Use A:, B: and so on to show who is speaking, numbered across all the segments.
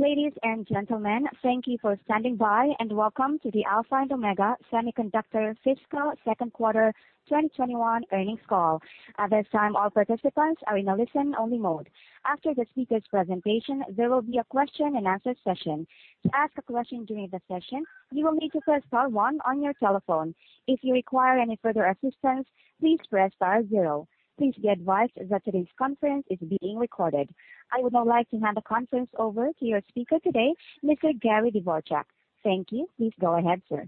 A: Ladies and gentlemen, thank you for standing by, and welcome to the Alpha and Omega Semiconductor fiscal second quarter 2021 earnings call. At this time, all participants are in a listen-only mode. After the speakers' presentation, there will be a question and answer session. To ask a question during the session, you will need to press star one on your telephone. If you require any further assistance, please press star zero. Please be advised that today's conference is being recorded. I would now like to hand the conference over to your speaker today, Mr. Gary Dvorchak. Thank you. Please go ahead, sir.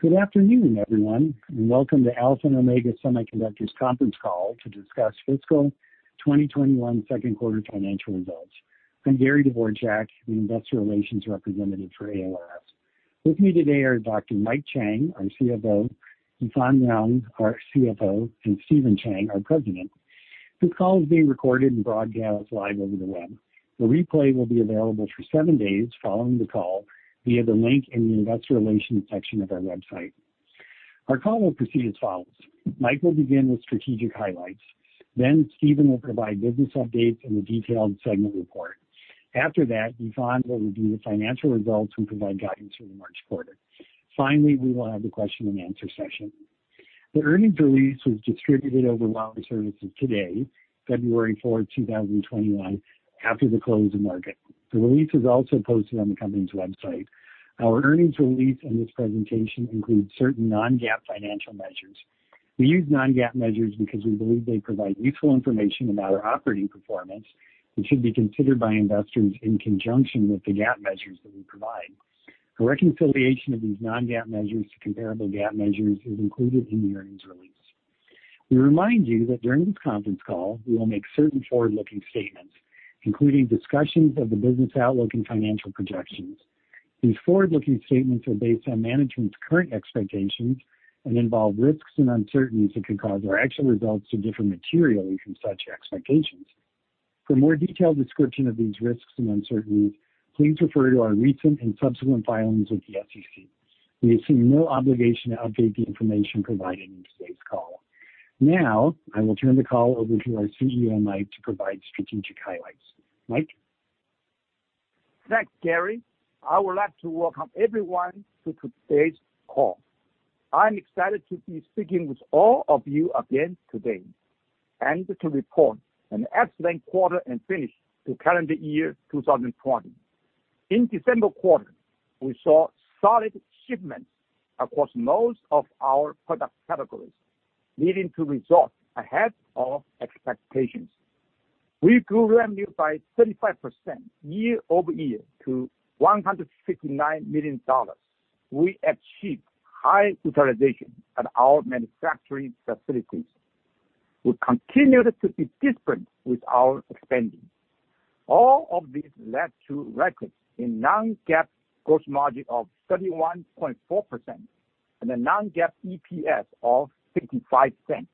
B: Good afternoon, everyone, and welcome to Alpha and Omega Semiconductor's conference call to discuss fiscal 2021 second quarter financial results. I'm Gary Dvorchak, the investor relations representative for AOS. With me today are Dr. Mike Chang, our CEO; Yifan Liang, our CFO; and Stephen Chang, our President. This call is being recorded and broadcast live over the web. The replay will be available for seven days following the call via the link in the investor relations section of our website. Our call will proceed as follows. Mike will begin with strategic highlights. Stephen will provide business updates and the detailed segment report. After that, Yifan will review the financial results and provide guidance for the March quarter. Finally, we will have a question and answer session. The earnings release was distributed over wire services today, February 4, 2021, after the close of market. The release is also posted on the company's website. Our earnings release and this presentation include certain non-GAAP financial measures. We use non-GAAP measures because we believe they provide useful information about our operating performance and should be considered by investors in conjunction with the GAAP measures that we provide. A reconciliation of these non-GAAP measures to comparable GAAP measures is included in the earnings release. We remind you that during this conference call, we will make certain forward-looking statements, including discussions of the business outlook and financial projections. These forward-looking statements are based on management's current expectations and involve risks and uncertainties that could cause our actual results to differ materially from such expectations. For a more detailed description of these risks and uncertainties, please refer to our recent and subsequent filings with the SEC. We assume no obligation to update the information provided in today's call. Now, I will turn the call over to our CEO, Mike, to provide strategic highlights. Mike?
C: Thanks, Gary. I would like to welcome everyone to today's call. I'm excited to be speaking with all of you again today and to report an excellent quarter and finish to calendar year 2020. In the December quarter, we saw solid shipments across most of our product categories, leading to results ahead of expectations. We grew revenue by 35% year-over-year to $159 million. We achieved high utilization at our manufacturing facilities. We continued to be disciplined with our spending. All of this led to a record in non-GAAP gross margin of 31.4% and a non-GAAP EPS of $0.55.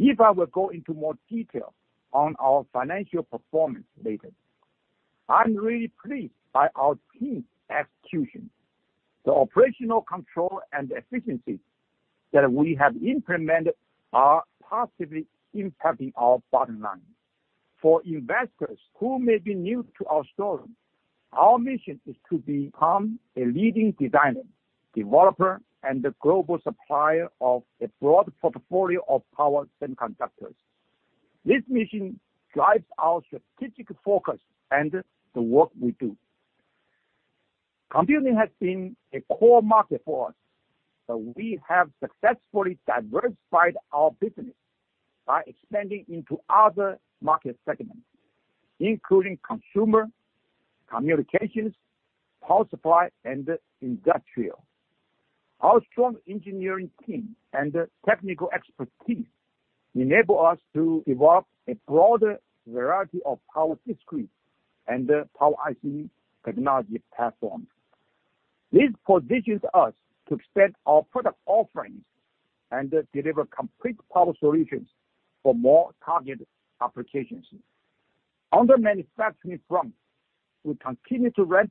C: Yifan will go into more detail on our financial performance later. I'm really pleased by our team's execution. The operational control and efficiency that we have implemented are positively impacting our bottom line. For investors who may be new to our story, our mission is to become a leading designer, developer, and global supplier of a broad portfolio of power semiconductors. This mission guides our strategic focus and the work we do. Computing has been a core market for us, but we have successfully diversified our business by expanding into other market segments, including consumer, communications, power supply, and industrial. Our strong engineering team and technical expertise enable us to develop a broader variety of power discrete and Power IC technology platforms. This positions us to expand our product offerings and deliver complete power solutions for more target applications. On the manufacturing front, we continue to ramp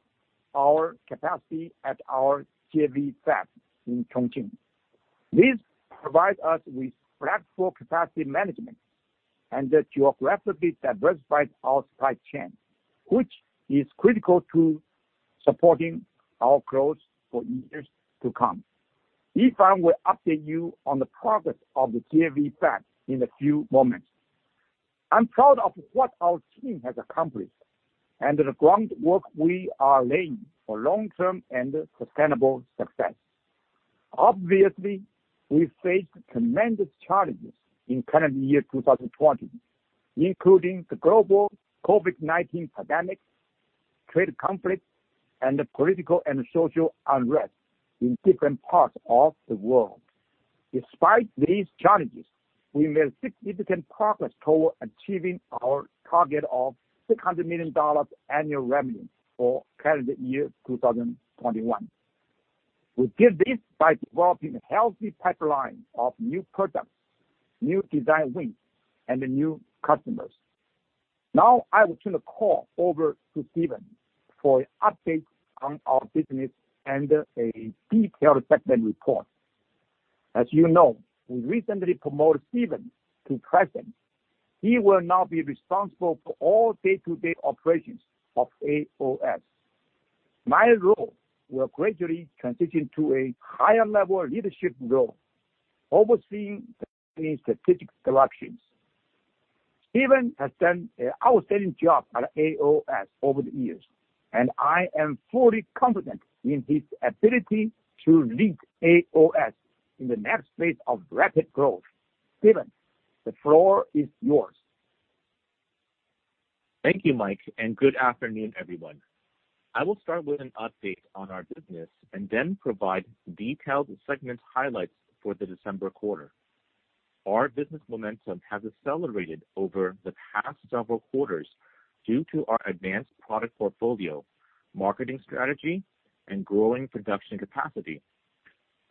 C: our capacity at our JV Fab in Chongqing. This provides us with flexible capacity management and geographically diversifies our supply chain, which is critical to supporting our growth for years to come. Yifan will update you on the progress of the JV fab in a few moments. I'm proud of what our team has accomplished and the groundwork we are laying for long-term and sustainable success. Obviously, we faced tremendous challenges in the current year, 2020, including the global COVID-19 pandemic, trade conflict, and political and social unrest in different parts of the world. Despite these challenges, we made significant progress toward achieving our target of $600 million annual revenue for the current year, 2021. We did this by developing a healthy pipeline of new products, new design wins, and new customers. Now, I will turn the call over to Stephen for an update on our business and a detailed segment report. As you know, we recently promoted Stephen to president. He will now be responsible for all day-to-day operations of AOS. My role will gradually transition to a higher-level leadership role, overseeing strategic directions. Stephen has done an outstanding job at AOS over the years, and I am fully confident in his ability to lead AOS in the next phase of rapid growth. Stephen, the floor is yours.
D: Thank you, Mike, and good afternoon, everyone. I will start with an update on our business and then provide detailed segment highlights for the December quarter. Our business momentum has accelerated over the past several quarters due to our advanced product portfolio, marketing strategy, and growing production capacity.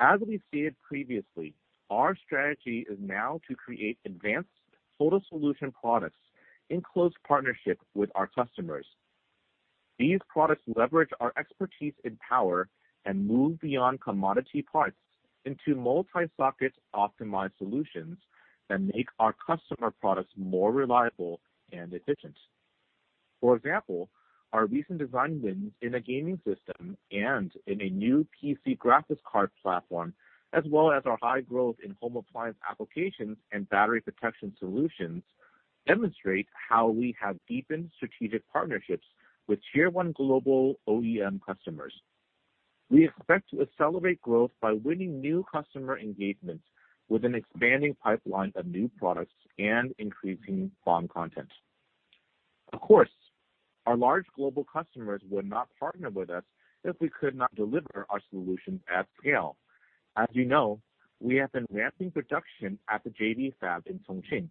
D: As we stated previously, our strategy is now to create advanced total solution products in close partnership with our customers. These products leverage our expertise in power and move beyond commodity parts into multi-socket optimized solutions that make our customers' products more reliable and efficient. For example, our recent design wins in a gaming system and in a new PC graphics card platform, as well as our high growth in home appliance applications and battery protection solutions, demonstrate how we have deepened strategic partnerships with Tier 1 global OEM customers. We expect to accelerate growth by winning new customer engagements with an expanding pipeline of new products and increasing BOM content. Of course, our large global customers would not partner with us if we could not deliver our solutions at scale. As you know, we have been ramping production at the JV fab in Chongqing.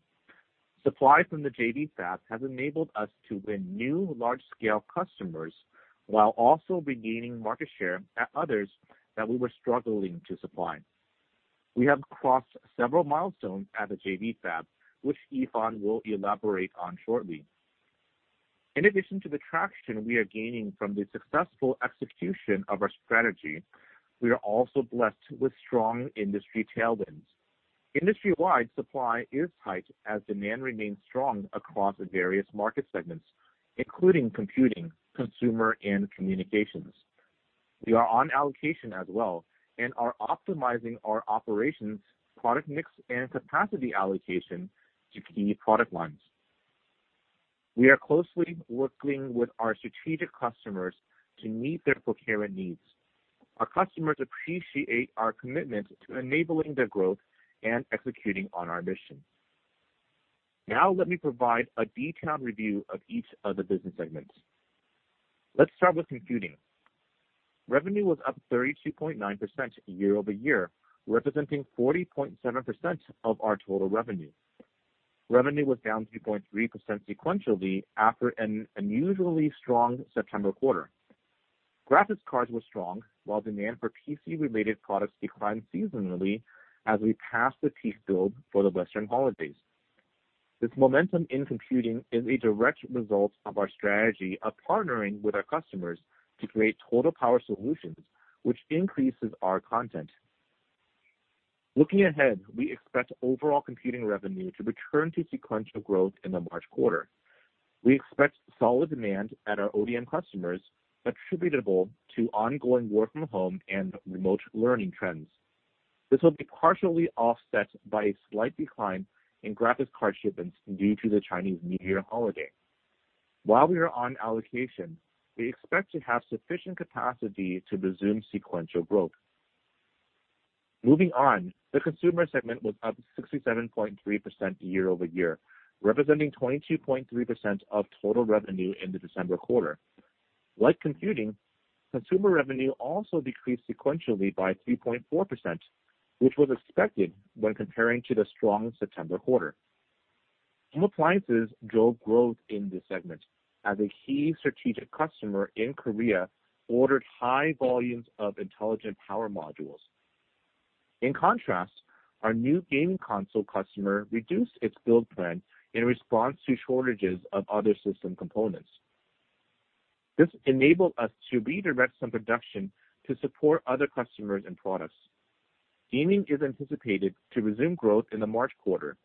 D: Supply from the JV fab has enabled us to win new large-scale customers while also regaining market share at others that we were struggling to supply. We have crossed several milestones at the JV fab, which Yifan will elaborate on shortly. In addition to the traction we are gaining from the successful execution of our strategy, we are also blessed with strong industry tailwinds. Industry-wide supply is tight as demand remains strong across various market segments, including computing, consumer, and communications. We are on allocation as well and are optimizing our operations, product mix, and capacity allocation to key product lines. We are closely working with our strategic customers to meet their procurement needs. Our customers appreciate our commitment to enabling their growth and executing on our mission. Now let me provide a detailed review of each of the business segments. Let's start with computing. Revenue was up 32.9% year-over-year, representing 40.7% of our total revenue. Revenue was down 3.3% sequentially after an unusually strong September quarter. graphics cards were strong while demand for PC-related products declined seasonally as we passed the peak build for the Western holidays. This momentum in computing is a direct result of our strategy of partnering with our customers to create total power solutions, which increases our content. Looking ahead, we expect overall computing revenue to return to sequential growth in the March quarter. We expect solid demand from our ODM customers attributable to ongoing work from home and remote learning trends. This will be partially offset by a slight decline in graphics card shipments due to the Chinese New Year holiday. While we are on allocation, we expect to have sufficient capacity to resume sequential growth. Moving on, the consumer segment was up 67.3% year-over-year, representing 22.3% of total revenue in the December quarter. Like computing, consumer revenue also decreased sequentially by 3.4%, which was expected when comparing to the strong September quarter. Home appliances drove growth in this segment as a key strategic customer in Korea ordered high volumes of intelligent power modules. In contrast, our new gaming console customer reduced its build plan in response to shortages of other system components. This enabled us to redirect some production to support other customers and products. Gaming is anticipated to resume growth in the March quarter.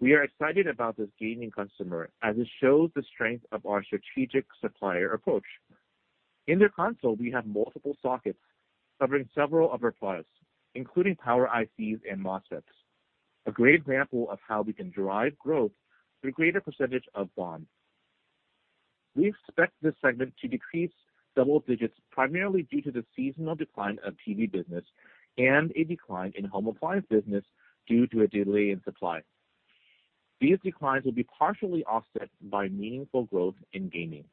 D: We are excited about this gaming customer, as it shows the strength of our strategic supplier approach. In the console, we have multiple sockets covering several of our products, including Power ICs and MOSFETs. A great example of how we can drive growth through a greater percentage of BOM. We expect this segment to decrease double digits, primarily due to the seasonal decline of the TV business and a decline in the home appliance business due to a delay in supply. These declines will be partially offset by meaningful growth in gaming.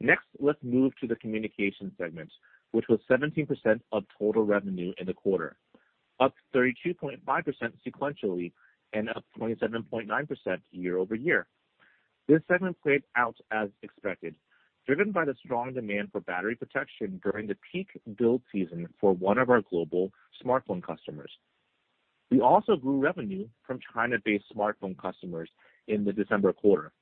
D: Next, let's move to the communication segment, which was 17% of total revenue in the quarter, up 32.5% sequentially and up 27.9% year-over-year. This segment played out as expected, driven by the strong demand for battery protection during the peak build season for one of our global smartphone customers. We also grew revenue from China-based smartphone customers in the December quarter.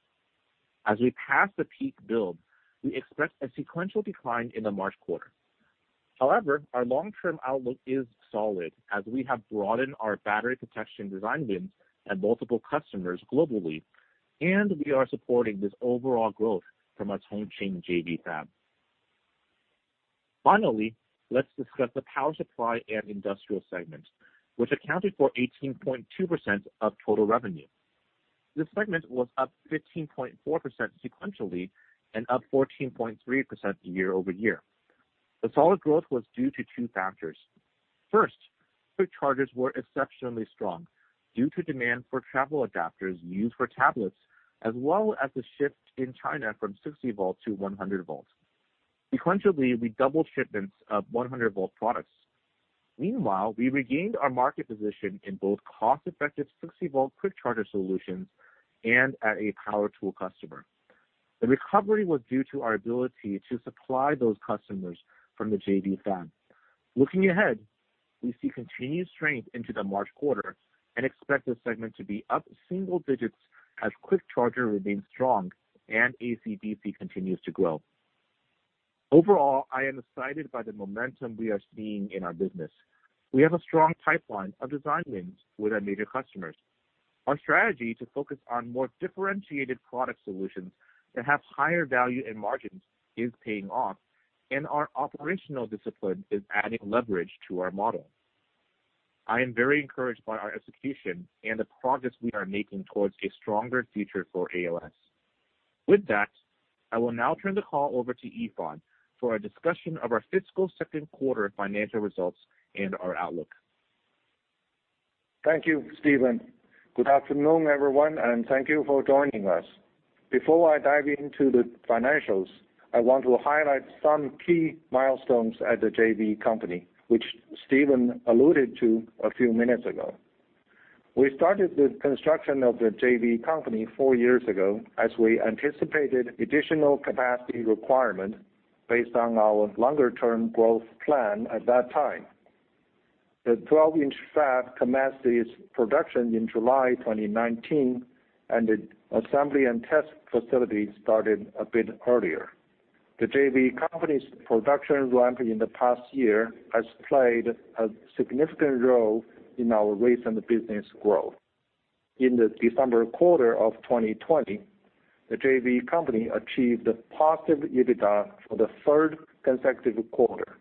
D: As we pass the peak build, we expect a sequential decline in the March quarter. Our long-term outlook is solid as we have broadened our battery protection design wins and multiple customers globally, and we are supporting this overall growth from our Chongqing JV fab. Let's discuss the power supply and industrial segment, which accounted for 18.2% of total revenue. This segment was up 15.4% sequentially and up 14.3% year-over-year. The solid growth was due to two factors. First, quick chargers were exceptionally strong due to demand for travel adapters used for tablets, as well as the shift in China from 60V to 100V. Sequentially, we doubled shipments of 100V products. We regained our market position in both cost-effective 60V quick charger solutions and at a power tool customer. The recovery was due to our ability to supply those customers from the JV fab. Looking ahead, we see continued strength into the March quarter and expect this segment to be up single digits as Quick Charger remains strong and AC-DC continues to grow. Overall, I am excited by the momentum we are seeing in our business. We have a strong pipeline of design wins with our major customers. Our strategy to focus on more differentiated product solutions that have higher value and margins is paying off, and our operational discipline is adding leverage to our model. I am very encouraged by our execution and the progress we are making towards a stronger future for AOS. With that, I will now turn the call over to Yifan for a discussion of our fiscal second quarter financial results and our outlook.
E: Thank you, Stephen. Good afternoon, everyone, and thank you for joining us. Before I dive into the financials, I want to highlight some key milestones at the JV Company, which Stephen alluded to a few minutes ago. We started the construction of the JV Company four years ago as we anticipated additional capacity requirements based on our longer-term growth plan at that time. The 12-inch fab commenced its production in July 2019, and the assembly and test facility started a bit earlier. The JV Company's production ramp in the past year has played a significant role in our recent business growth. In the December quarter of 2020, the JV Company achieved positive EBITDA for the third consecutive quarter.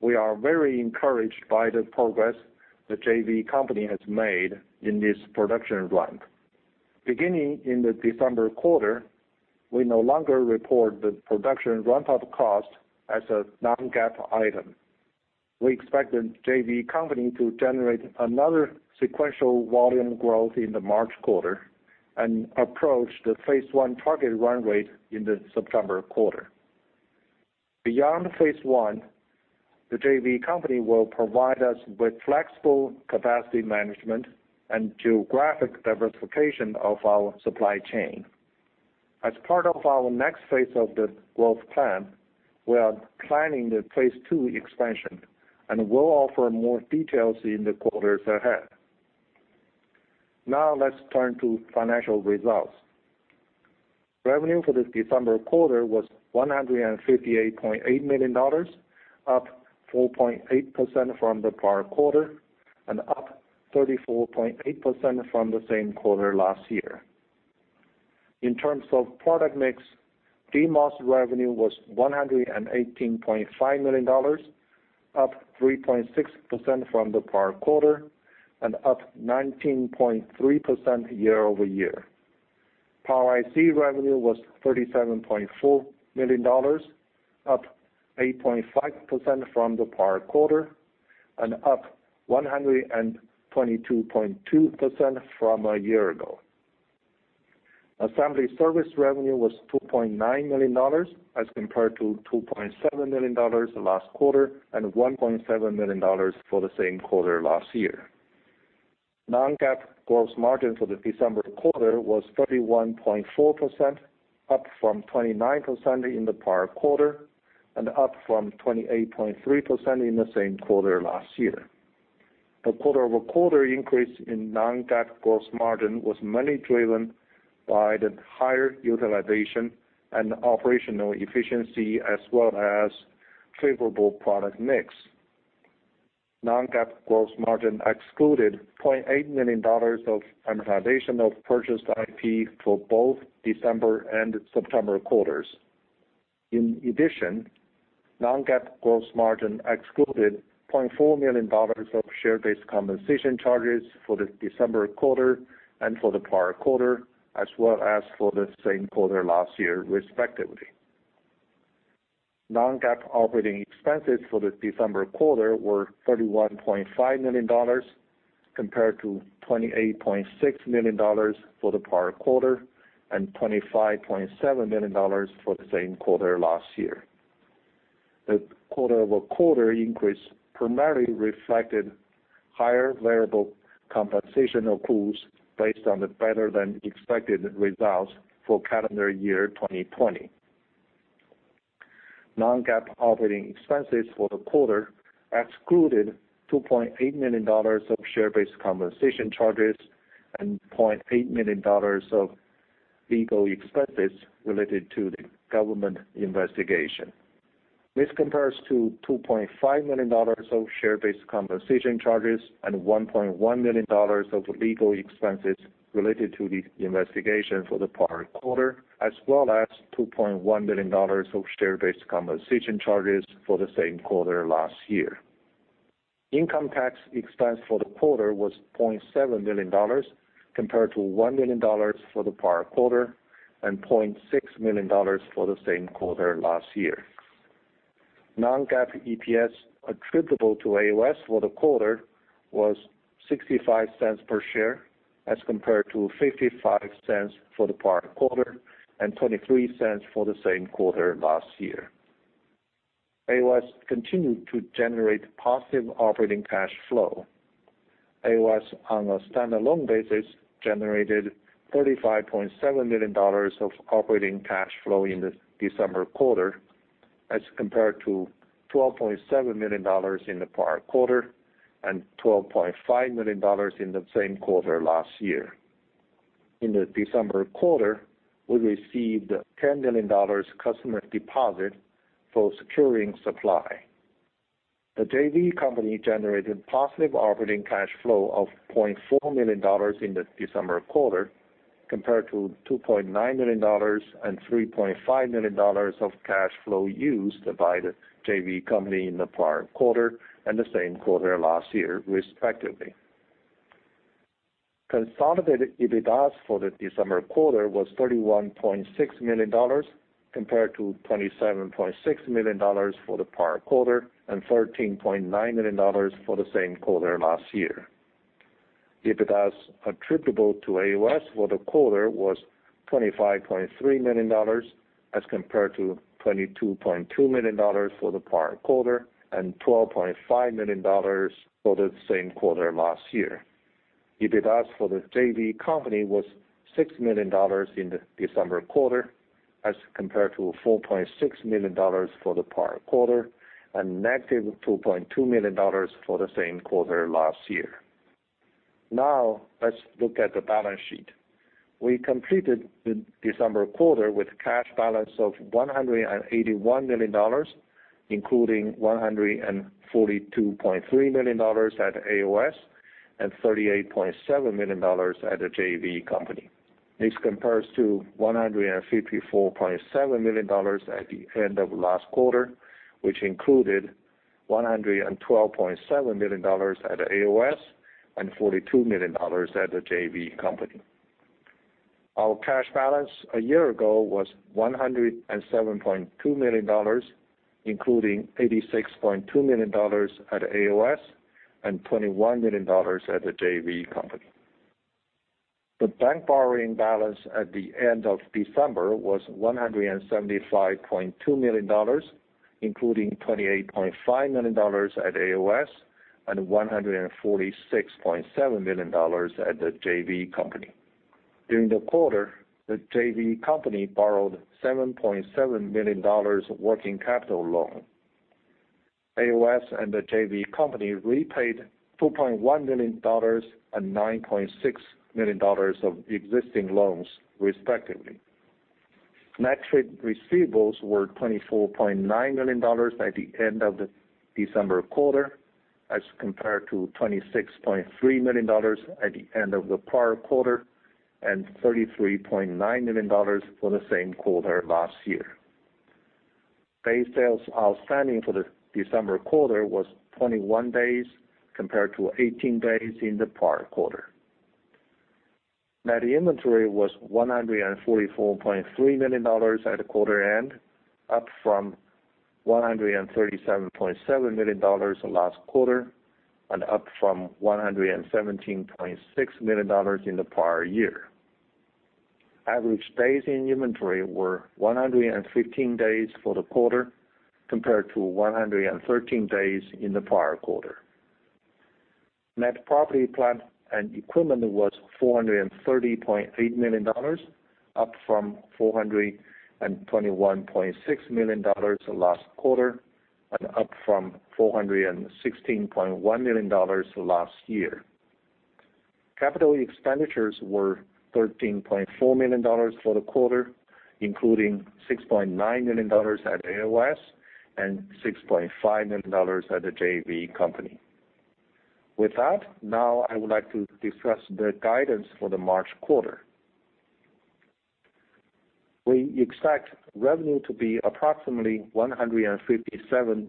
E: We are very encouraged by the progress the JV Company has made in this production ramp. Beginning in the December quarter, we no longer report the production ramp-up cost as a non-GAAP item. We expect the JV Company to generate another sequential volume growth in the March quarter and approach the phase I target run rate in the September quarter. Beyond phase I, the JV Company will provide us with flexible capacity management and geographic diversification of our supply chain. As part of our next phase of the growth plan, we are planning the phase II expansion and will offer more details in the quarters ahead. Now, let's turn to financial results. Revenue for the December quarter was $158.8 million, up 4.8% from the prior quarter and up 34.8% from the same quarter last year. In terms of product mix, DMOS revenue was $118.5 million, up 3.6% from the prior quarter and up 19.3% year-over-year. Power IC revenue was $37.4 million, up 8.5% from the prior quarter and up 122.2% from a year ago. Assembly service revenue was $2.9 million as compared to $2.7 million last quarter and $1.7 million for the same quarter last year. Non-GAAP gross margin for the December quarter was 31.4%, up from 29% in the prior quarter and up from 28.3% in the same quarter last year. The quarter-over-quarter increase in non-GAAP gross margin was mainly driven by the higher utilization and operational efficiency as well as favorable product mix. Non-GAAP gross margin excluded $0.8 million of amortization of purchased IP for both December and September quarters. In addition, non-GAAP gross margin excluded $0.4 million of share-based compensation charges for the December quarter and for the prior quarter as well as for the same quarter last year, respectively. Non-GAAP operating expenses for the December quarter were $31.5 million, compared to $28.6 million for the prior quarter and $25.7 million for the same quarter last year. The quarter-over-quarter increase primarily reflected higher variable compensation accruals based on the better-than-expected results for calendar year 2020. Non-GAAP operating expenses for the quarter excluded $2.8 million of share-based compensation charges and $0.8 million of legal expenses related to the government investigation. This compares to $2.5 million of share-based compensation charges and $1.1 million of legal expenses related to the investigation for the prior quarter, as well as $2.1 million of share-based compensation charges for the same quarter last year. Income tax expense for the quarter was $0.7 million, compared to $1 million for the prior quarter and $0.6 million for the same quarter last year. Non-GAAP EPS attributable to AOS for the quarter was $0.65 per share, as compared to $0.55 for the prior quarter and $0.23 for the same quarter last year. AOS continued to generate positive operating cash flow. AOS, on a standalone basis, generated $35.7 million of operating cash flow in the December quarter, as compared to $12.7 million in the prior quarter and $12.5 million in the same quarter last year. In the December quarter, we received a $10 million customer deposit for securing supply. The JV Company generated positive operating cash flow of $0.4 million in the December quarter, compared to $2.9 million and $3.5 million of cash flow used by the JV Company in the prior quarter and the same quarter last year, respectively. Consolidated EBITDAS for the December quarter was $31.6 million, compared to $27.6 million for the prior quarter and $13.9 million for the same quarter last year. EBITDAS attributable to AOS for the quarter was $25.3 million, as compared to $22.2 million for the prior quarter and $12.5 million for the same quarter last year. EBITDAS for the JV Company was $6 million in the December quarter, as compared to $4.6 million for the prior quarter and negative $2.2 million for the same quarter last year. Let's look at the balance sheet. We completed the December quarter with a cash balance of $181 million, including $142.3 million at AOS and $38.7 million at the JV Company. This compares to $154.7 million at the end of last quarter, which included $112.7 million at AOS and $42 million at the JV Company. Our cash balance a year ago was $107.2 million, including $86.2 million at AOS and $21 million at the JV Company. The bank borrowing balance at the end of December was $175.2 million, including $28.5 million at AOS and $146.7 million at the JV Company. During the quarter, the JV Company borrowed a $7.7 million working capital loan. AOS and the JV Company repaid $2.1 million and $9.6 million of existing loans, respectively. Net trade receivables were $24.9 million by the end of the December quarter, as compared to $26.3 million at the end of the prior quarter and $33.9 million for the same quarter last year. Day Sales Outstanding for the December quarter was 21 days, compared to 18 days in the prior quarter. Net inventory was $144.3 million at the quarter end, up from $137.7 million last quarter and up from $117.6 million in the prior year. Average days in inventory were 115 days for the quarter, compared to 113 days in the prior quarter. Net Property, Plant, and Equipment was $430.8 million, up from $421.6 million last quarter and up from $416.1 million last year. Capital expenditures were $13.4 million for the quarter, including $6.9 million at AOS and $6.5 million at the JV Company. With that, now I would like to discuss the guidance for the March quarter. We expect revenue to be approximately $157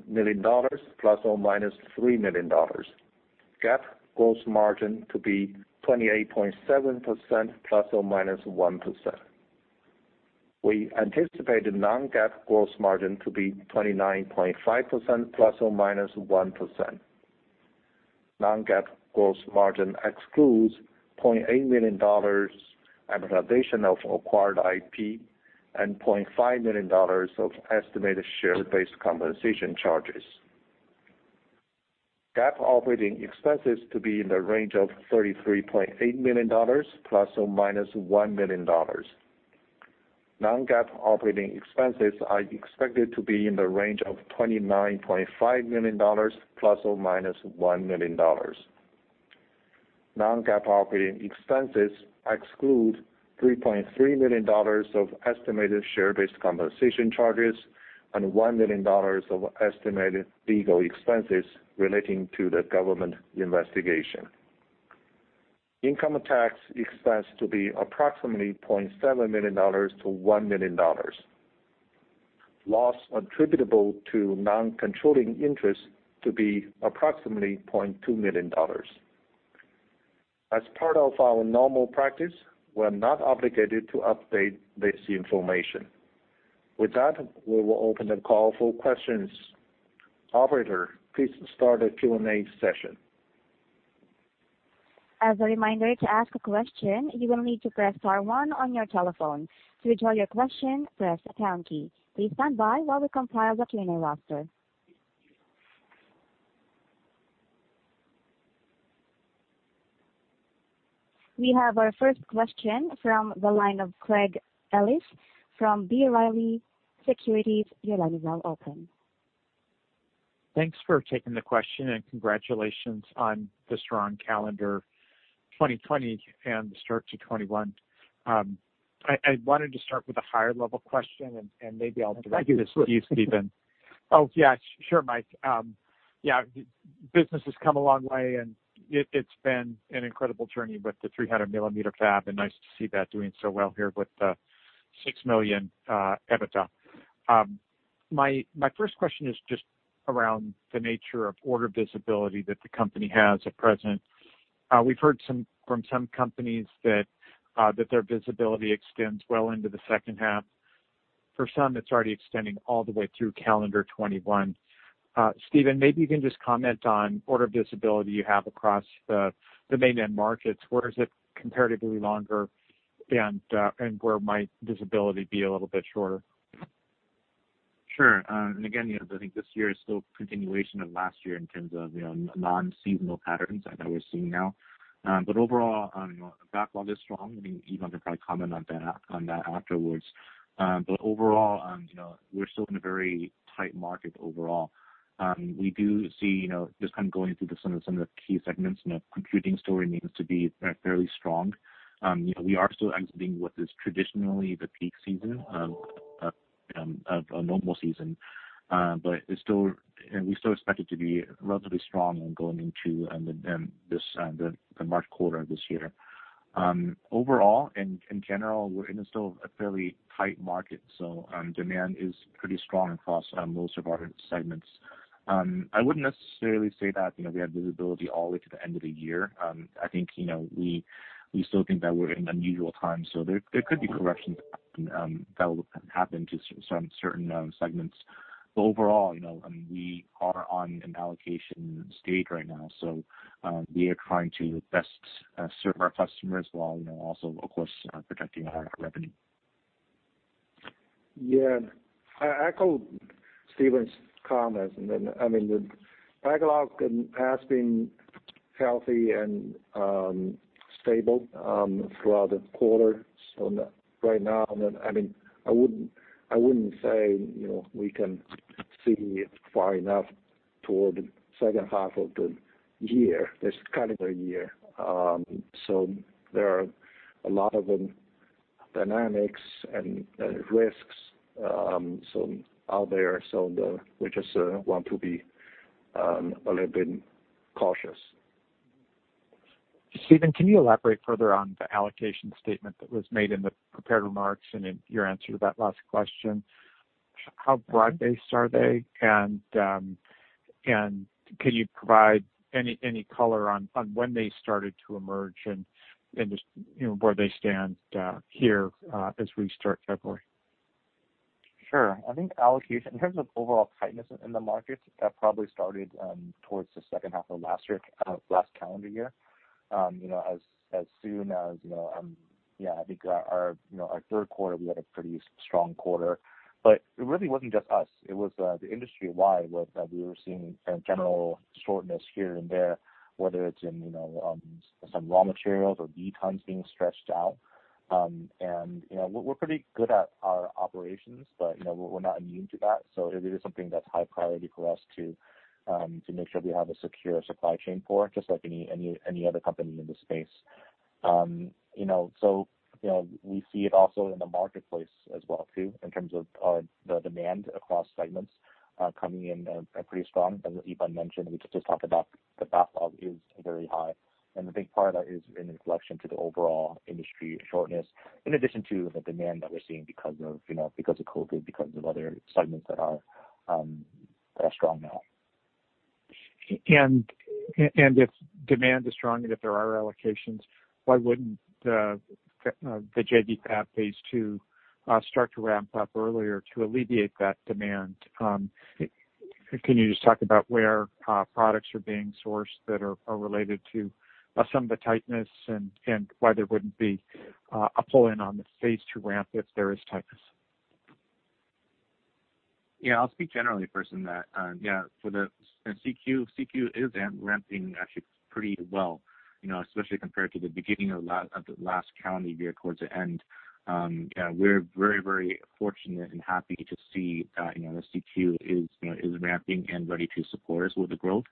E: million, ±$3 million. GAAP gross margin to be 28.7%, ±1%. We anticipate non-GAAP gross margin to be 29.5%, ±1%. Non-GAAP gross margin excludes $0.8 million amortization of acquired IP and $0.5 million of estimated share-based compensation charges. GAAP operating expenses are to be in the range of $33.8 million ± $1 million. Non-GAAP operating expenses are expected to be in the range of $29.5 million ±$1 million. Non-GAAP operating expenses exclude $3.3 million of estimated share-based compensation charges and $1 million of estimated legal expenses relating to the government investigation. Income tax expense is to be approximately $0.7 million-$1 million. Loss attributable to non-controlling interest to be approximately $0.2 million. As part of our normal practice, we're not obligated to update this information. With that, we will open the call for questions. Operator, please start the Q&A session.
A: We have our first question from the line of Craig Ellis from B. Riley Securities. Your line is now open.
F: Thanks for taking the question, and congratulations on the strong calendar for 2020 and the start to 2021. I wanted to start with a higher-level question, and maybe I'll direct this to you...
C: Stephen
F: Oh, yeah. Sure, Mike. Yeah. Business has come a long way, and it's been an incredible journey with the 300 millimeter fab, and it's nice to see that doing so well here with the $6 million EBITDA. My first question is just around the nature of order visibility that the company has at present. We've heard from some companies that their visibility extends well into the second half. For some, it's already extending all the way through calendar 2021. Stephen, maybe you can just comment on order visibility you have across the mainland markets. Where is it comparatively longer, and where might visibility be a little bit shorter?
D: Sure. Again, I think this year is still a continuation of last year in terms of non-seasonal patterns that we're seeing now. Overall, the backlog is strong. I mean, Yifan could probably comment on that afterwards. Overall, we're still in a very tight market overall. We do see, just going through some of the key segments, computing's story remains to be fairly strong. We are still exiting what is traditionally the peak season of a normal season. We still expect it to be relatively strong going into the March quarter this year. Overall, in general, we're in a still fairly tight market, so demand is pretty strong across most of our segments. I wouldn't necessarily say that we have visibility all the way to the end of the year. I think we still think that we're in unusual times. There could be corrections that will happen to certain segments. Overall, we are on an allocation stage right now. We are trying to best serve our customers while also, of course, protecting our revenue.
E: Yeah. I echo Stephen's comments. The backlog has been healthy and stable throughout the quarter. Right now, I wouldn't say we can see far enough toward the second half of this calendar year. There are a lot of dynamics and risks out there, so we just want to be a little bit cautious.
F: Stephen, can you elaborate further on the allocation statement that was made in the prepared remarks and in your answer to that last question? How broad-based are they, and can you provide any color on when they started to emerge and just where they stand here as we start February?
D: Sure. I think allocation, in terms of overall tightness in the markets, probably started towards the second half of last calendar year. I think in our third quarter, we had a pretty strong quarter, but it really wasn't just us; it was the industry-wide, was that we were seeing a general shortage here and there, whether it was in some raw materials or lead times being stretched out. We're pretty good at our operations, but we're not immune to that. It is something that's high priority for us to make sure we have a secure supply chain for, just like any other company in the space. We see it also in the marketplace as well, in terms of the demand across segments coming in pretty strong. As Yifan mentioned, we just talked about how the backlog is very high, and a big part of that is in reflection of the overall industry shortage, in addition to the demand that we're seeing because of COVID, because of other segments that are strong now.
F: If demand is strong and if there are allocations, why wouldn't the JV Fab phase II start to ramp up earlier to alleviate that demand? Can you just talk about where products are being sourced that are related to some of the tightness and why there wouldn't be a pull-in on the phase II ramp if there is tightness?
D: Yeah, I'll speak generally first in that. Yeah, the CQ is ramping actually pretty well, especially compared to the beginning of the last calendar year towards the end. We're very fortunate and happy to see that the CQ is ramping and ready to support us with the growth.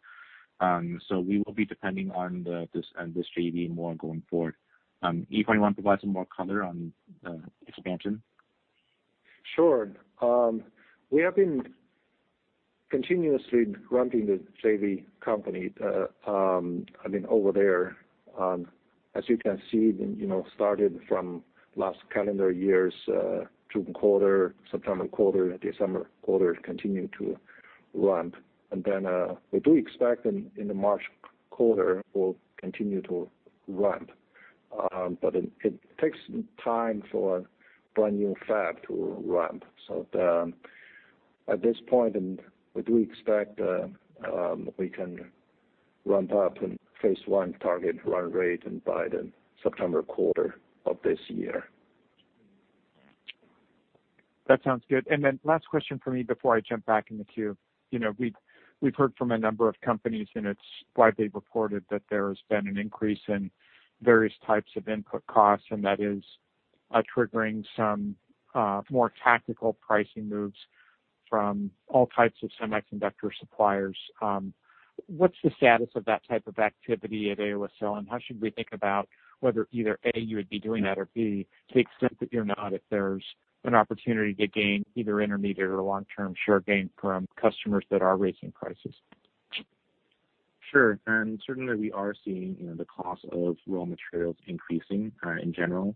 D: We will be depending on this JV more going forward. Yi, if you want to provide some more color on expansion.
E: Sure. We have been continuously ramping the JV Company over there. As you can see, starting from last calendar year's June quarter, September quarter, and December quarter, continue to ramp. We do expect in the March quarter we'll continue to ramp. It takes time for a brand new fab to ramp. At this point, we do expect we can ramp up in phase I target run rate by the September quarter of this year.
F: That sounds good. Last question from me before I jump back in the queue. We've heard from a number of companies; it's widely reported that there has been an increase in various types of input costs, and that is triggering some more tactical pricing moves from all types of semiconductor suppliers. What's the status of that type of activity at AOSL, and how should we think about whether either, A, you would be doing that, or B, to the extent that you're not, if there's an opportunity to gain either intermediate or long-term share gain from customers that are raising prices?
D: Sure. Certainly, we are seeing the cost of raw materials increasing in general,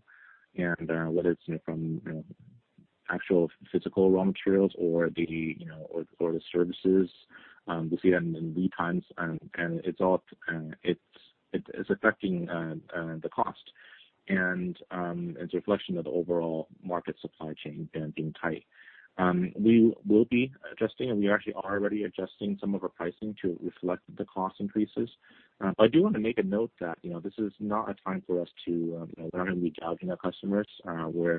D: whether it's from actual physical raw materials or the services. We see that in lead times, it's affecting the cost; it's a reflection of the overall market supply chain being tight. We will be adjusting; we actually are already adjusting some of our pricing to reflect the cost increases. I do want to make a note that this is not a time we're not going to be gouging our customers. We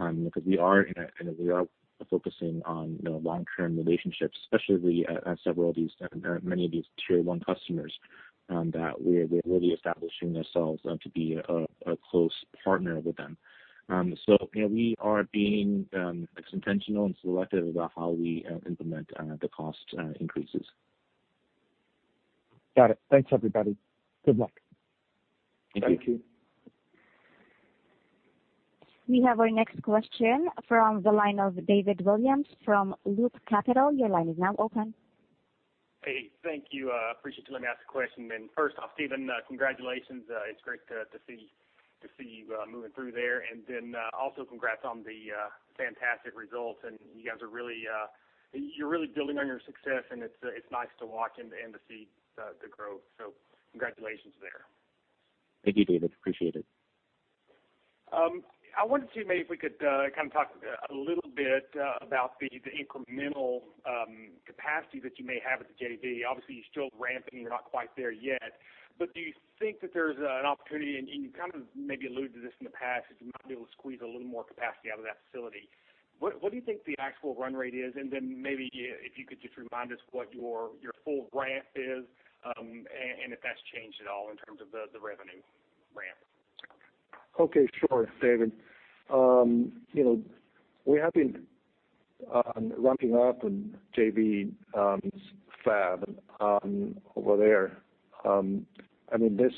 D: are focusing on long-term relationships, especially as several of these, many of these Tier 1 customers, that we're really establishing ourselves to be a close partner with them. We are being intentional and selective about how we implement the cost increases.
F: Got it. Thanks, everybody. Good luck.
D: Thank you.
E: Thank you.
A: We have our next question from the line of David Williams from Loop Capital. Your line is now open.
G: Hey, thank you. Appreciate you letting me ask a question. First off, Stephen, congratulations. It's great to see you moving through there. Also congrats on the fantastic results, and you're really building on your success, and it's nice to watch and to see the growth. Congratulations.
D: Thank you, David. Appreciate it.
G: I wonder, too, maybe if we could talk a little bit about the incremental capacity that you may have at the JV. Obviously, you're still ramping up; you're not quite there yet. Do you think that there's an opportunity, and you kind of maybe alluded to this in the past, that you might be able to squeeze a little more capacity out of that facility? What do you think the actual run rate is? Then maybe if you could just remind us what your full ramp is and if that's changed at all in terms of the revenue ramp.
E: Okay, sure, David. We have been ramping up the JV fab over there. This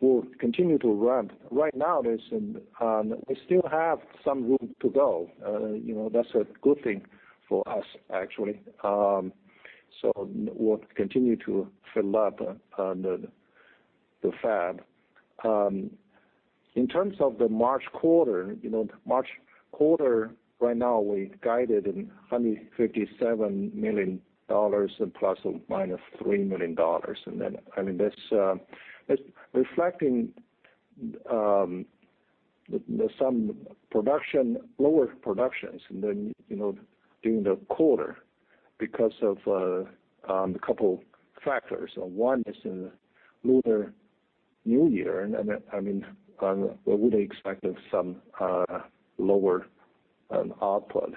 E: will continue to ramp. Right now, we still have some room to go. That's a good thing for us, actually. We'll continue to fill up the fab. In terms of the March quarter, right now, we guided $157 million ±$3 million. That's reflecting some lower productions during the quarter because of a couple factors. One is Lunar New Year, and we would expect some lower output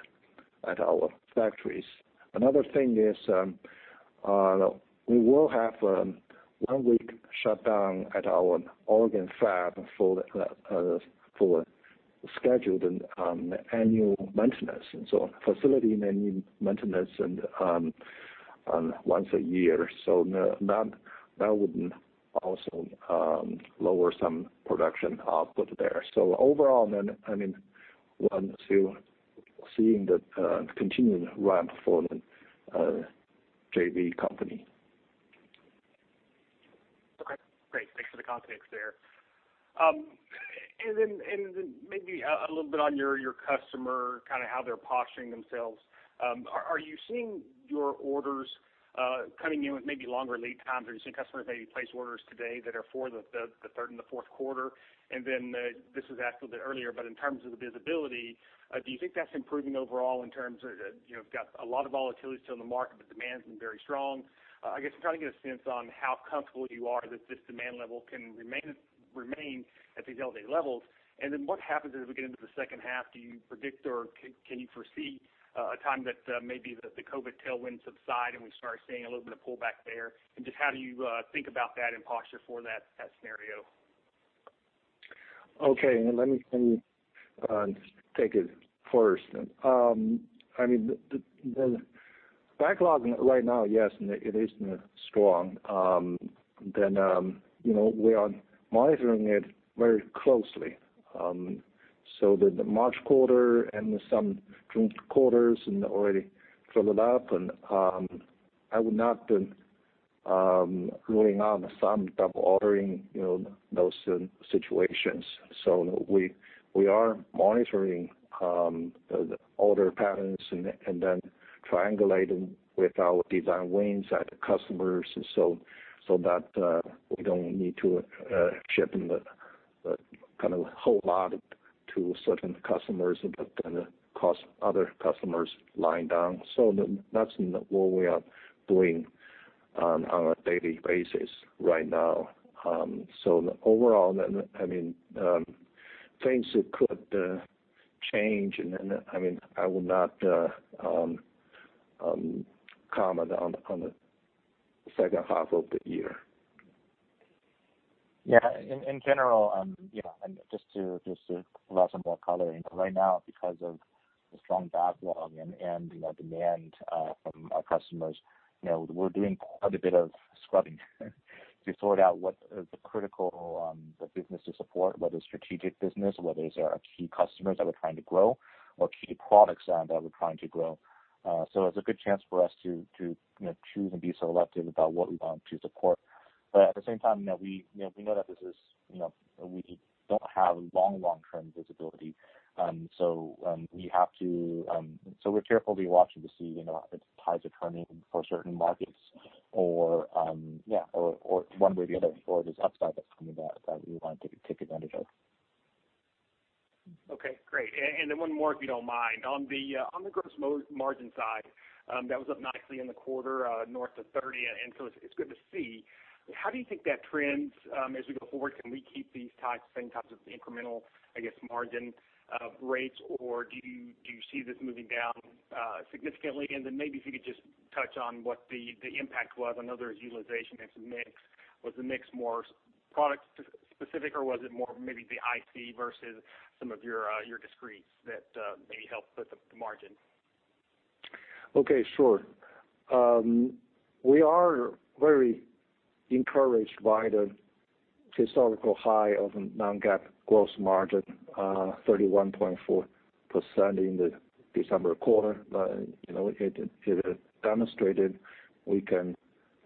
E: at our factories. Another thing is we will have a one-week shutdown at our Oregon fab for scheduled annual maintenance. Facility maintenance once a year. That would also lower some production output there. Overall, then, we're still seeing the continuing ramp for the JV Company.
G: Okay, great. Thanks for the context there. Then maybe a little bit on your customer, how they're posturing themselves. Are you seeing your orders coming in with maybe longer lead times? Are you seeing customers maybe place orders today that are for the third and fourth quarters? Then this was asked a bit earlier: in terms of the visibility, do you think that's improving overall in terms of, you've got a lot of volatility still in the market, demand's been very strong. I guess I'm trying to get a sense of how comfortable you are that this demand level can remain at these elevated levels. Then what happens as we get into the second half? Do you predict or can you foresee a time that maybe the COVID tailwinds subside and we start seeing a little bit of a pullback there? Just how do you think about that and posture for that scenario?
E: Okay. Let me take it first. The backlog right now, yes, it is strong. We are monitoring it very closely. The March quarter and some June quarters already filled it up, and I would not rule out some double ordering in those situations. We are monitoring the order patterns and then triangulating with our design wins at customers so that we don't need to ship a whole lot to certain customers that then cause other customers to lay down. That's what we are doing on a daily basis right now. Overall, things could change. I will not comment on the second half of the year.
D: Yeah. In general, and just to provide some more color, right now, because of the strong backlog and demand from our customers, we're doing quite a bit of scrubbing to sort out what is critical for the business to support, whether it's strategic business, whether these are our key customers that we're trying to grow, or key products that we're trying to grow. It's a good chance for us to choose and be selective about what we want to support. At the same time, we know that we don't have long, long-term visibility. We're carefully watching to see if tides are turning for certain markets or, one way or the other, if there's upside that we want to take advantage of.
G: Okay, great. One more, if you don't mind. On the gross margin side, that was up nicely in the quarter, north of 30; it's good to see. How do you think that trends as we go forward? Can we keep these same types of incremental, I guess, margin rates, or do you see this moving down significantly? Maybe if you could just touch on what the impact was. I know there was utilization and some mix. Was the mix more product specific, or was it more maybe the IC versus some of your discretes that maybe helped with the margin?
E: Okay, sure. We are very encouraged by the historical high of non-GAAP gross margin, 31.4% in the December quarter. It demonstrated we can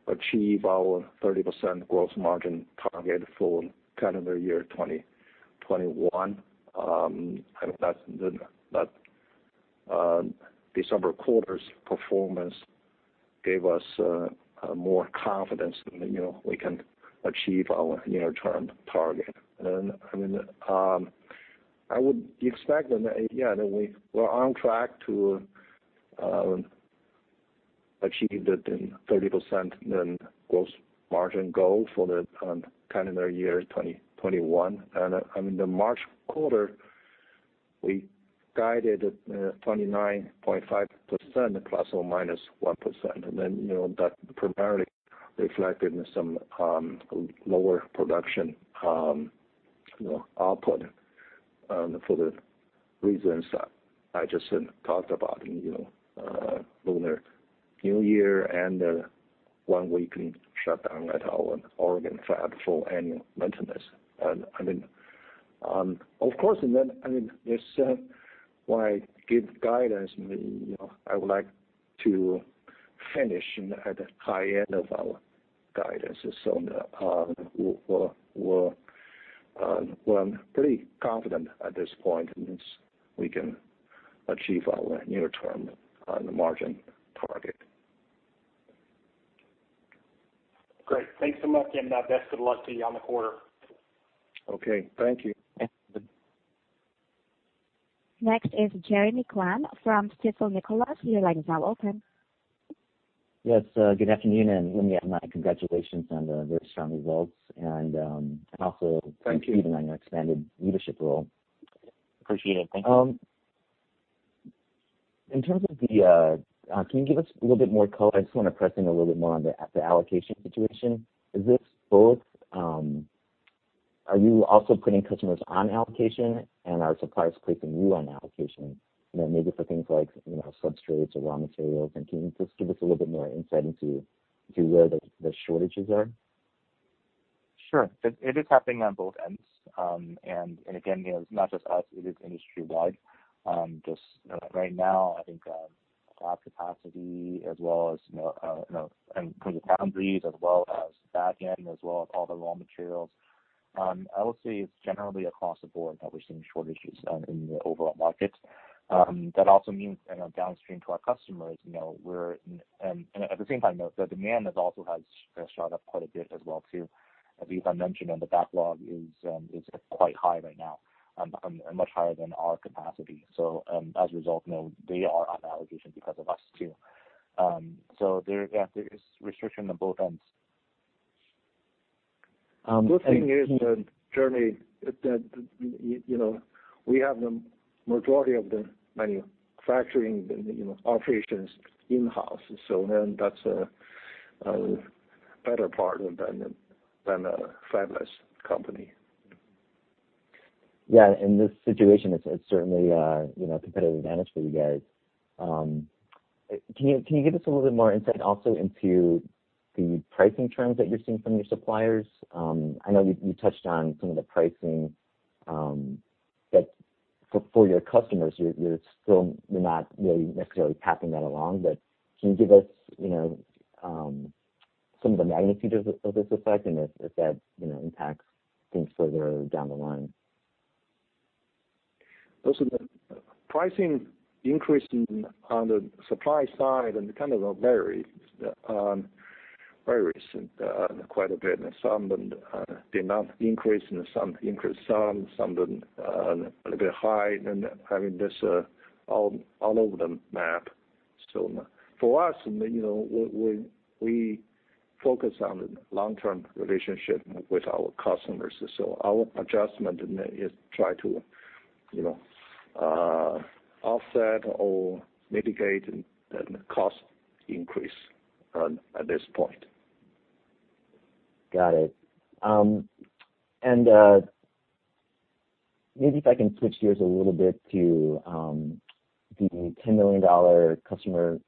E: achieve our 30% gross margin target for calendar year 2021. That December quarter's performance gave us more confidence that we can achieve our near-term target. I would expect that we're on track to achieving the 30% gross margin goal for the calendar year 2021. In the March quarter, we guided at 29.5%, ±1%. That primarily reflected some lower production output for the reasons that I just talked about, Lunar New Year and the one-week shutdown at our Oregon fab for annual maintenance. Of course, when I give guidance, I would like to finish at the high end of our guidance. We're pretty confident at this point that we can achieve our near-term margin target.
G: Great. Thanks so much, and best of luck to you on the quarter.
E: Okay. Thank you.
A: Next is Jeremy Kwan from Stifel Nicolaus. Your line is now open.
H: Yes. Good afternoon. Let me add my congratulations on the very strong results.
E: Thank you.
H: Also, congratulations on your expanded leadership role.
D: Appreciate it. Thank you.
H: Can you give us a little bit more color? I just want to press in a little bit more on the allocation situation. Are you also putting customers on allocation, and are suppliers placing you on allocation? Maybe for things like substrates or raw materials. Can you just give us a little bit more insight into where the shortages are?
D: Sure. It is happening on both ends. Again, it's not just us; it is industry-wide. Just right now, I think fab capacity as well as from the foundries as well as the back end, as well as all the raw materials. I would say it's generally across the board that we're seeing shortages in the overall market. That also means downstream to our customers. At the same time, the demand also has shot up quite a bit as well. As Yifan mentioned, the backlog is quite high right now, much higher than our capacity. As a result, they are on allocation because of us, too. There is a restriction on both ends.
E: Good thing is, Jeremy, that we have the majority of the manufacturing operations in-house. That's a better partner than a fabless company.
H: Yeah. In this situation, it's certainly a competitive advantage for you guys. Can you give us a little bit more insight also into the pricing trends that you're seeing from your suppliers? I know you touched on some of the pricing, but for your customers, you're not really necessarily passing that along, but can you give us some of the magnitude of this effect and if that impacts things further down the line?
E: Pricing increases on the supply side and kind of vary quite a bit. Some did not increase, and some increased some. Some did a little bit highly. I mean, that's all over the map. For us, we focus on long-term relationships with our customers. Our adjustment is try to offset or mitigate the cost increase at this point.
H: Got it. Maybe if I can switch gears a little bit to the $10 million customer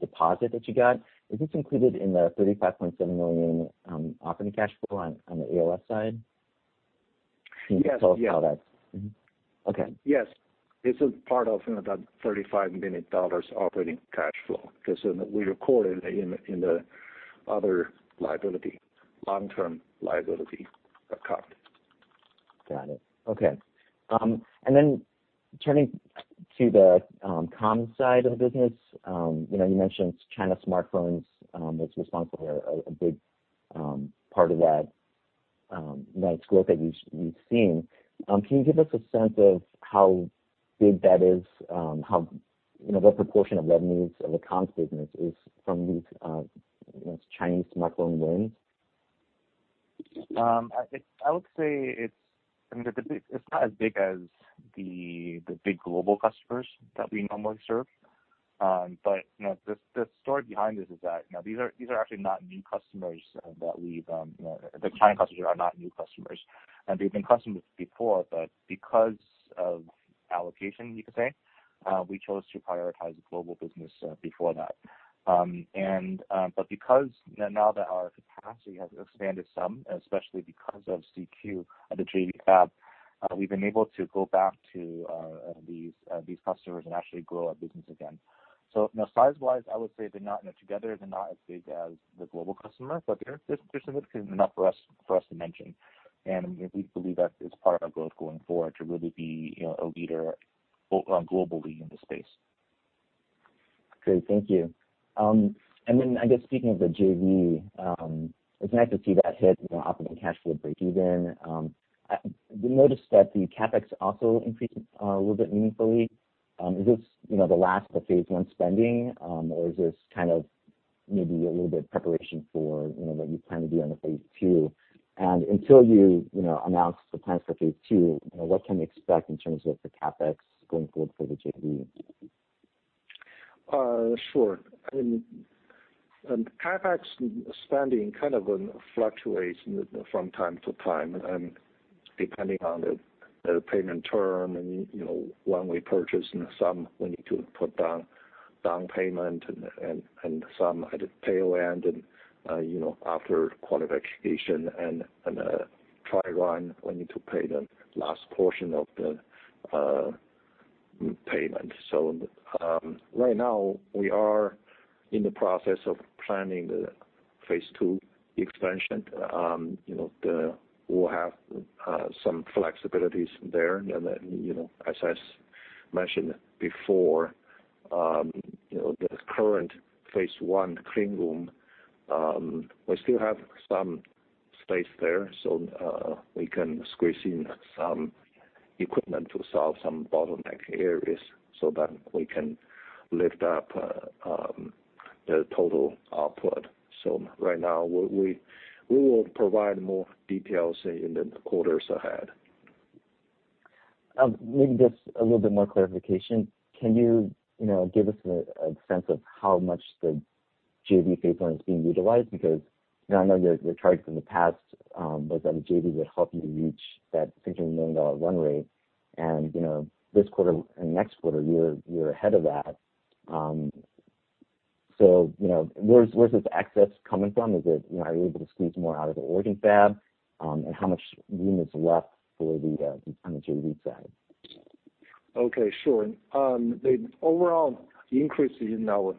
H: deposit that you got. Is this included in the $35.7 million operating cash flow on the AOS side?
E: Yes.
H: Can you tell us how that is? Okay.
E: Yes. This is part of that $35 million operating cash flow because we recorded it in the other liability, the long-term liability account.
H: Got it. Okay. Turning to the comms side of the business, you mentioned China smartphones are responsible for a big part of that growth that you've seen. Can you give us a sense of how big that is? What proportion of revenues of the comms business is from these Chinese smartphone wins?
D: I would say it's not as big as the big global customers that we normally serve. The story behind this is that these are actually not new customers. The China customers are not new customers. They've been customers before, but because of allocation, you could say, we chose to prioritize the global business before that. Because now that our capacity has expanded some, especially because of CQ and the JV fab, we've been able to go back to these customers and actually grow our business again. Size-wise, I would say together, they're not as big as the global customer, but they're significant enough for us to mention. We believe that is part of our growth going forward to really be a leader globally in the space.
H: Great. Thank you. I guess speaking of the JV, it's nice to see that hit operating cash flow breakeven. We noticed that the CapEx also increased a little bit meaningfully. Is this the last of the phase I spending? Is this kind of maybe a little bit of preparation for what you plan to do in phase II? Until you announce the plans for phase II, what can we expect in terms of the CapEx going forward for the JV?
E: Sure. CapEx spending kind of fluctuates from time to time, depending on the payment term and when we purchase, and some we need to put down a payment and some at the tail end after quality verification and trial run; we need to pay the last portion of the payment. Right now, we are in the process of planning the phase II expansion. We'll have some flexibility there. As I mentioned before, in the current phase I clean the room; we still have some space there, so we can squeeze in some equipment to solve some bottleneck areas so that we can lift up the total output. Right now, we will provide more details in the quarters ahead.
H: Maybe just a little bit more clarification. Can you give us a sense of how much the JV phase I is being utilized? I know your target in the past was that a JV would help you reach that $600 million run rate, and this quarter and next quarter, you're ahead of that. Where's this excess coming from? Are you able to squeeze more out of the Oregon fab? How much room is left for the JV side?
E: Okay, sure. The overall increase in our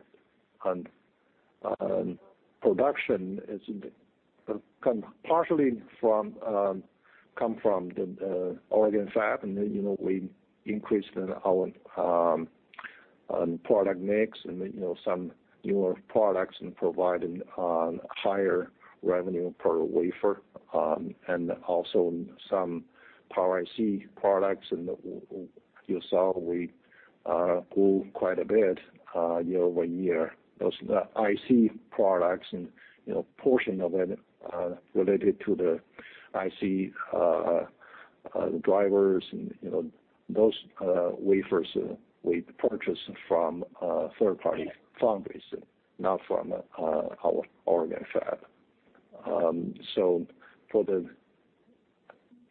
E: production partially comes from the Oregon fab. We increased our product mix and some newer products and are providing higher revenue per wafer. Also some power IC products. You saw we grew quite a bit year-over-year. Those IC products and portions of it related to the IC drivers and those wafers we purchase from third-party foundries, not from our Oregon fab. For the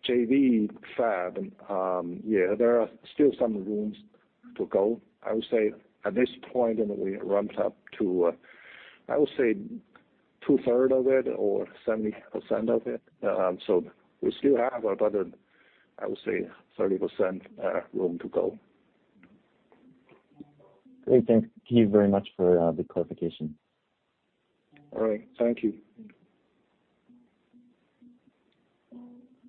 E: JV fab, yeah, there are still some rooms to go. I would say at this point, we ramped up to, I would say, 2/3 of it or 70% of it. We still have about, I would say, 30% room to go.
H: Great. Thank you very much for the clarification.
E: All right. Thank you.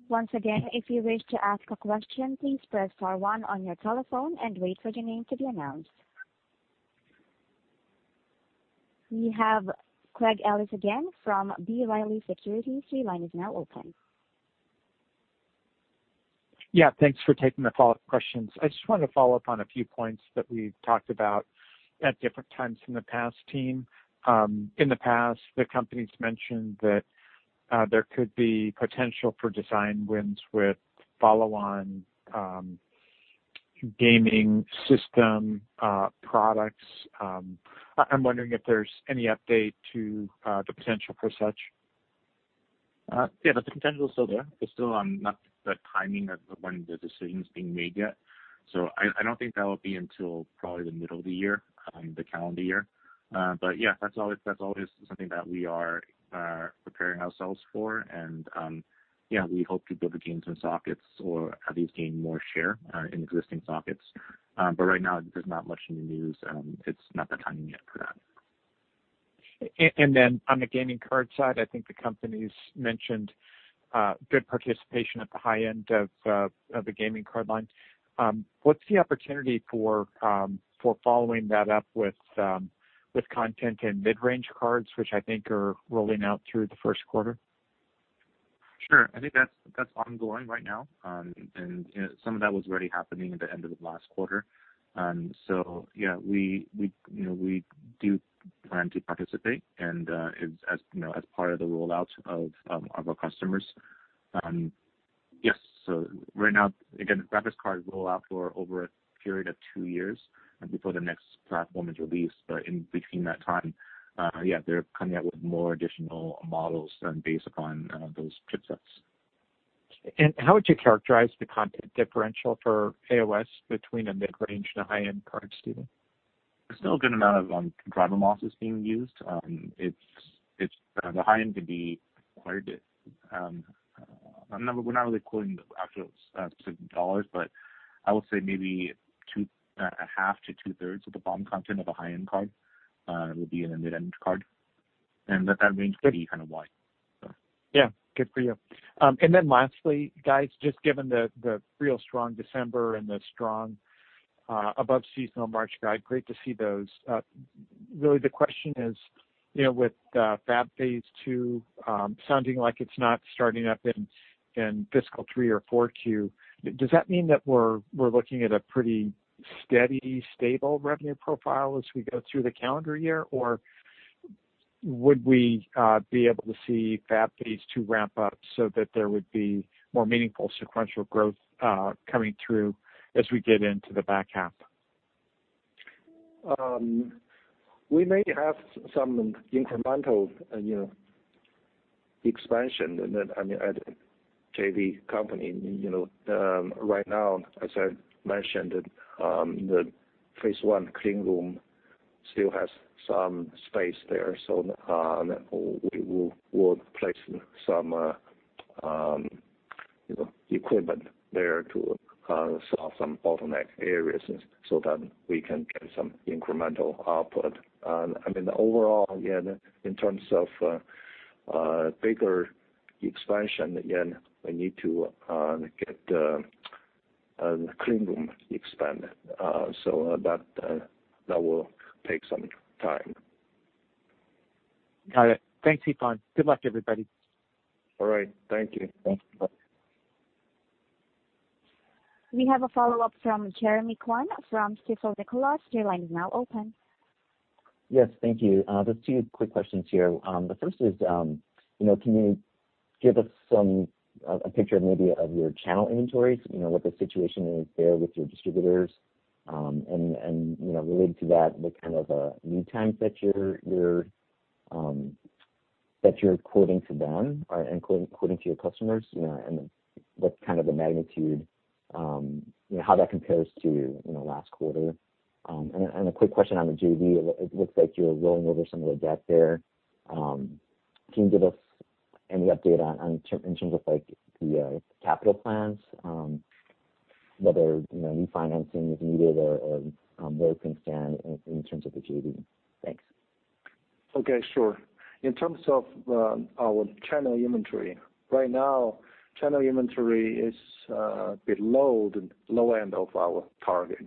A: Once again, if you wish to ask a question, please press star one on your telephone and wait for your name to be announced. We have Craig Ellis again from B. Riley Securities. Your line is now open.
F: Yeah. Thanks for taking the follow-up questions. I just wanted to follow up on a few points that we've talked about at different times in the past, team. In the past, the company's mentioned that there could be potential for design wins with follow-on gaming system products. I'm wondering if there's any update to the potential for such.
D: Yeah. The potential is still there. It's still not the timing of when the decision is being made yet; I don't think that will be until probably the middle of the year, the calendar year. Yeah, that's always something that we are preparing ourselves for, and, yeah, we hope to build our gains in sockets or at least gain more share in existing sockets. Right now, there's not much in the news. It's not the timing yet for that.
F: On the gaming card side, I think the company mentioned good participation at the high end of the gaming card line. What's the opportunity for following that up with content and mid-range cards, which I think are rolling out through the first quarter?
D: Sure. I think that's ongoing right now. Some of that was already happening at the end of the last quarter. Yeah, we do plan to participate and as part of the rollout of our customers. Yes. Right now, again, graphics cards roll out for over a period of two years before the next platform is released. In between that time, yeah, they're coming out with more additional models based upon those chipsets.
F: How would you characterize the content differential for AOS between a mid-range and a high-end card, Stephen?
D: There's still a good amount of driver modules being used. The high end can be quite a bit. We're not really quoting the actual dollars, but I would say maybe a half to two-thirds of the BOM content of a high-end card will be in a mid-range card, and that range could be kind of wide.
F: Yeah. Good for you. Lastly, guys, just given the real strong December and the strong above-seasonal March guide, it's great to see those. Really, the question is, with Fab phase II sounding like it's not starting up in fiscal 3Q or 4Q, does that mean that we're looking at a pretty steady, stable revenue profile as we go through the calendar year? Would we be able to see Fab phase II ramp up so that there would be more meaningful sequential growth coming through as we get into the back half?
E: We may have some incremental expansion. I mean, at JV Company. Right now, as I mentioned, the phase I clean room still has some space there, so we'll place some equipment there to solve some bottleneck areas so that we can get some incremental output. I mean, overall, in terms of bigger expansion, again, we need to get the clean room expanded. That will take some time.
F: Got it. Thanks, Yifan. Good luck, everybody.
E: All right. Thank you.
D: Thanks. Bye.
A: We have a follow-up from Jeremy Kwan from Stifel Nicolaus. Your line is now open.
H: Yes. Thank you. Just two quick questions here. The first is, can you give us a picture maybe of your channel inventories, what the situation is there with your distributors? Related to that, what kind of lead times are you quoting to them and quoting to your customers? What's the magnitude, how that compare to last quarter? A quick question on the JV. It looks like you're rolling over some of the debt there. Can you give us any update in terms of the capital plans, whether new financing is needed or where things stand in terms of the JV? Thanks.
E: In terms of our channel inventory. Right now, channel inventory is below the low end of our target.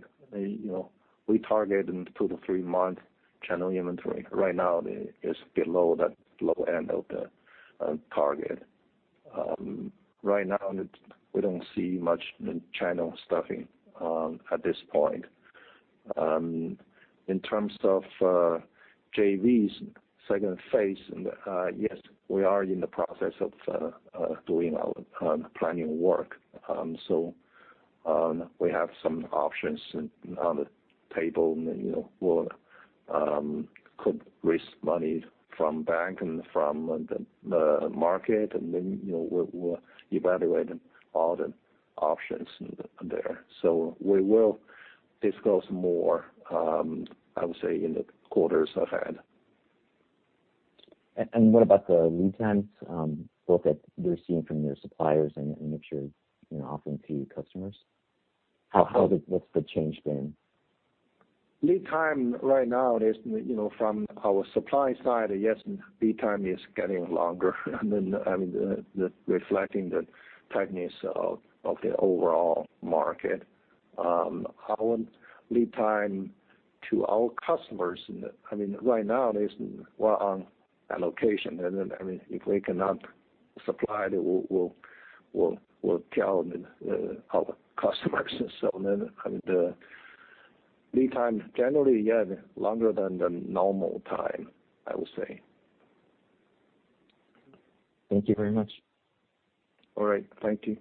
E: We target a two- to three-month channel inventory. Right now, it is below that low end of the target. Right now, we don't see much channel stuffing at this point. In terms of JV's second phase, yes, we are in the process of doing our planning work. We have some options on the table. We could raise money from the bank and from the market; we'll evaluate all the options there. We will discuss more, I would say, in the quarters ahead.
H: What about the lead times both that you're seeing from your suppliers and that you're offering to your customers? What's the change been?
E: Lead time right now, from our supply side, yes, lead time is getting longer. I mean, reflecting the tightness of the overall market. Our lead time to our customers right now is that they rely on allocation. If we cannot supply, then we'll tell our customers. The lead time, generally, yeah, longer than the normal time, I will say.
H: Thank you very much.
E: All right. Thank you.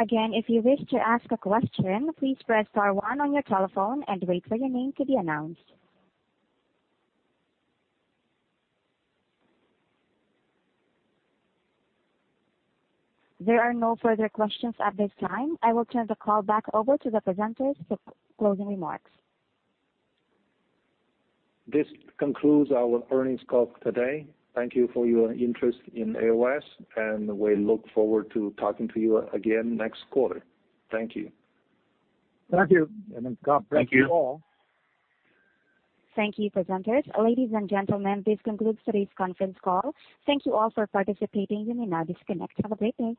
A: Again, if you wish to ask a question, please press star one on your telephone and wait for your name to be announced. There are no further questions at this time. I will turn the call back over to the presenters for closing remarks.
E: This concludes our earnings call today. Thank you for your interest in AOS, and we look forward to talking to you again next quarter. Thank you.
C: Thank you.
E: Scott, thank you all.
A: Thank you, presenters. Ladies and gentlemen, this concludes today's conference call. Thank you all for participating. You may now disconnect. Have a great day.